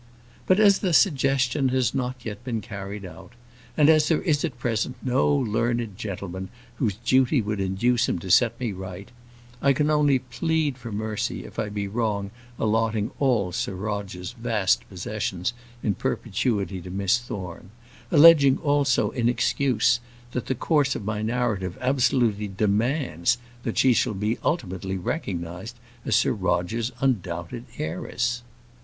But as the suggestion has not yet been carried out, and as there is at present no learned gentleman whose duty would induce him to set me right, I can only plead for mercy if I be wrong allotting all Sir Roger's vast possessions in perpetuity to Miss Thorne, alleging also, in excuse, that the course of my narrative absolutely demands that she shall be ultimately recognised as Sir Roger's undoubted heiress.